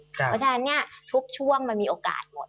พวกประพันธ์อื่นเพราะฉะนั้นทุกช่วงมันมีโอกาสหมด